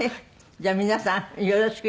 じゃあ皆さんよろしく。